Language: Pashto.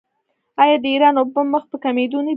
آیا د ایران اوبه مخ په کمیدو نه دي؟